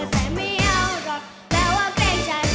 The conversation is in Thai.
แต่ไม่เอาหรอกแต่ว่าเกรงใจ